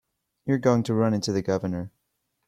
You're going to run into the Governor.